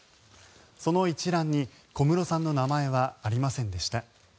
その一覧に小室さんの名前はありませんでした。